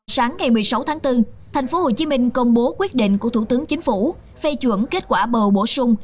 sáng ngày một mươi sáu tháng bốn tp hcm công bố quyết định của thủ tướng chính phủ phê chuẩn kết quả bầu bổ sung